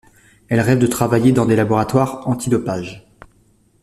Elle rêve de travailler dans des laboratoires anti-dopage.